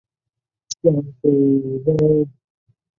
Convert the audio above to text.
科尔多巴耶稣会牧场和街区的一个旧耶稣会传教区。